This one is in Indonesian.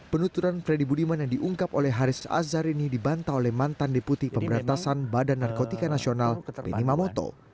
penuturan freddy budiman yang diungkap oleh haris azhar ini dibantah oleh mantan deputi pemberantasan badan narkotika nasional beni mamoto